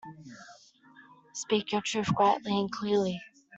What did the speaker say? Speak your truth quietly and clearly